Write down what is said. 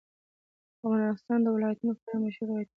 افغانستان د ولایتونو په اړه مشهور روایتونه لري.